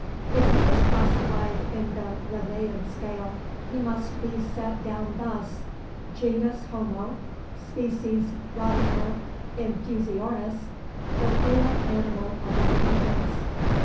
If he is classified in the Linnaean scale, he must be set down thus: Genus Homo; Species Rotifer infusorius, the wheel animal of infusions.